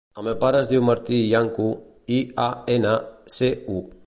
El meu pare es diu Martí Iancu: i, a, ena, ce, u.